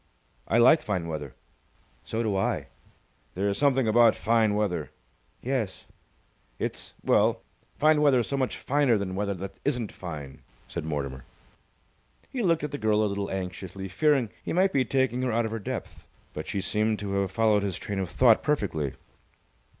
"I like fine weather." "So do I." "There's something about fine weather!" "Yes." "It's it's well, fine weather's so much finer than weather that isn't fine," said Mortimer. He looked at the girl a little anxiously, fearing he might be taking her out of her depth, but she seemed to have followed his train of thought perfectly.